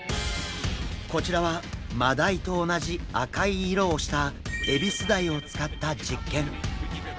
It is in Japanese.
こちらはマダイと同じ赤い色をしたエビスダイを使った実験。